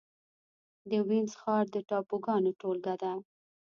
د وينز ښار د ټاپوګانو ټولګه ده.